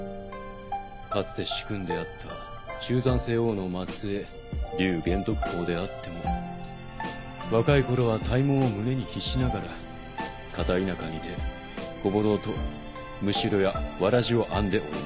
かつて主君であった中山靖王の末裔劉玄徳公であっても若いころは大望を胸に秘しながら片田舎にてご母堂とむしろやわらじを編んでおりました。